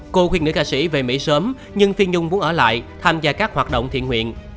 cô khuyên nữ ca sĩ về mỹ sớm nhưng phi nhung muốn ở lại tham gia các hoạt động thiện nguyện